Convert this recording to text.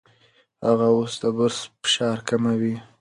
هغه اوس د برس فشار کموي.